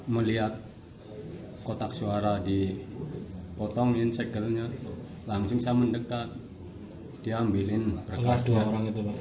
melihat kotak suara dipotongin segelnya langsung saya mendekat diambilin bekasnya